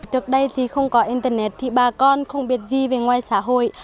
trước đây thì không có internet thì bà con không biết gì về ngoài xã hội